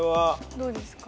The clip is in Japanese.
どうですか？